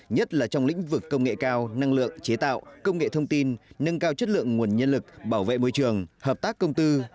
nhất là trong lĩnh vực công nghệ cao năng lượng chế tạo công nghệ thông tin nâng cao chất lượng nguồn nhân lực bảo vệ môi trường hợp tác công tư